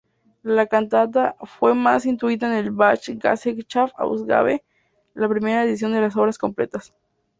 La cantata fue incluida en el Bach-Gesellschaft-Ausgabe, la primera edición de las obras completas.